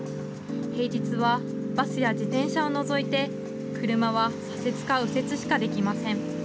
平日はバスや自転車を除いて車は左折か右折しかできません。